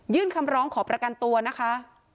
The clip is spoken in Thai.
คำร้องขอประกันตัวนะคะ